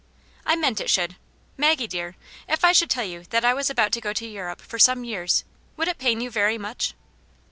'*" I meant it should. Maggie dear, if I should tell you that I was about to go to Europe for some years^ would it pain you very much